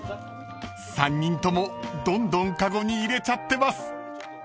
［３人ともどんどん籠に入れちゃってます］